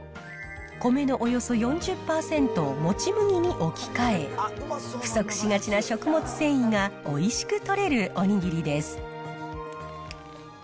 米のおよそ４０％をもち麦に置き換え、不足しがちな食物繊維がおいしくとれるおにぎりです。